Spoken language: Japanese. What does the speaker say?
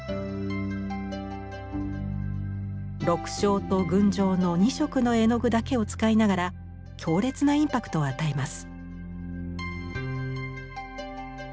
緑青と群青の２色の絵の具だけを使いながら強烈なインパクトを与えます。